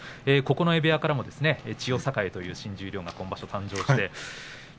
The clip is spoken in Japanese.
九重部屋からも千代栄という新十両が今場所誕生しています。